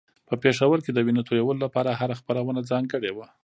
په پېښور کې د وينو تویولو لپاره هره خپرونه ځانګړې وه.